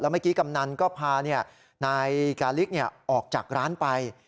เมื่อกี้กำนันก็พานายกาลิกออกจากร้านไป